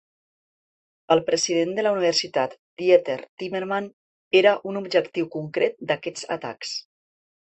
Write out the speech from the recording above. El president de la universitat Dieter Timmermann era un objectiu concret d"aquests atacs.